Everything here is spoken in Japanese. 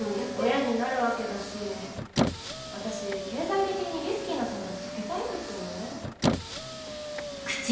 親になるわけだし私経済的にリスキーな選択避けたいんですよね。